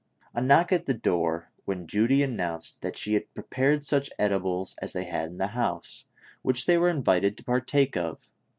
A knock at the door, when Judy announced that she had prepared such edibles as they had in the house, which they were invited to partake of.